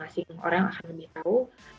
maka masing masing orang akan lebih tahu